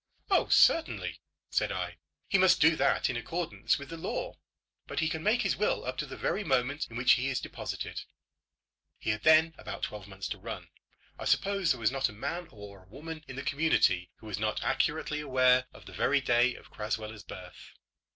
"Oh, certainly," said I; "he must do that in accordance with the law. But he can make his will up to the very moment in which he is deposited." He had then about twelve months to run. I suppose there was not a man or woman in the community who was not accurately aware of the very day of Crasweller's birth.